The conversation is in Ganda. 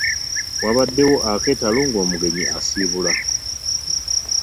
Waabaddewo akeetalo ng'omugenyi asiibula.